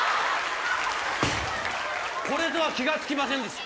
これとは気が付きませんでした。